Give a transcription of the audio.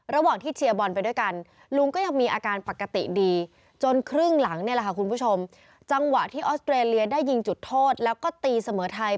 ระหว่างที่เชียร์บอลไปด้วยกัน